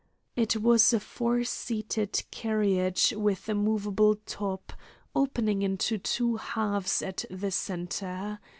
It was a four seated carriage with a movable top, opening into two halves at the centre.